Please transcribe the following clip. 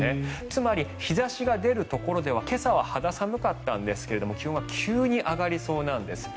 つまり、日差しが出るところでは今朝は肌寒かったんですが気温は急に上がりそうなんです。